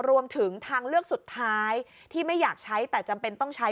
รวมถึงทางเลือกสุดท้ายที่ไม่อยากใช้แต่จำเป็นต้องใช้